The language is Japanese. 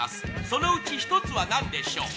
そのうち１つは何でしょう？